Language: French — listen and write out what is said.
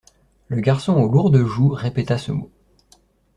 Le garçon aux lourdes joues répéta ce mot.